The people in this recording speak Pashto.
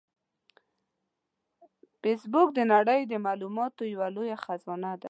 فېسبوک د نړۍ د معلوماتو یوه لویه خزانه ده